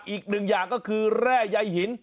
อีกหนึ่งอย่างก็คือแร่ใยหิน